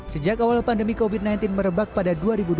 sejak awal pandemi covid sembilan belas merebak pada dua ribu dua puluh